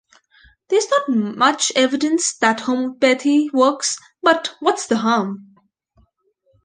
There's not much evidence that homeopathy works, but what's the harm?